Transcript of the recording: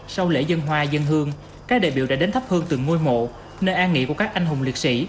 sau lễ dân hòa dân hương các đại biểu đã đến thắp hương tượng ngôi mộ nơi an nghị của các anh hùng liệt sĩ